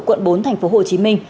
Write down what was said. quận bốn tp hcm